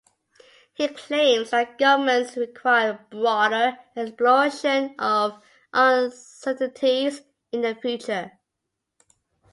He claims that governments require a broader exploration of uncertainties in the future.